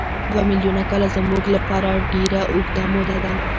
دوه میلیونه کاله زموږ لپاره ډېره اوږده موده ده.